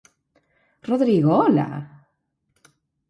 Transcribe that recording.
Rodrigo, ola!?